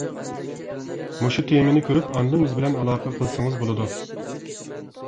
مۇشۇ تېمىنى كۆرۈپ ئاندىن بىز بىلەن ئالاقە قىلسىڭىز بولىدۇ.